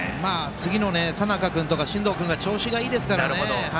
次の佐仲君とか進藤君が調子いいですからね。